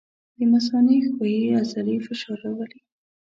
د مثانې ښویې عضلې فشار راولي.